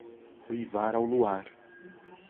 Uivar ao luar